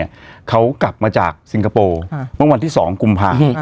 อยู่ที่๑๖กุ่มภา